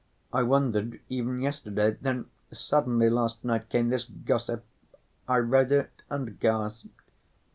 I wondered even yesterday, then suddenly last night came this Gossip. I read it and gasped.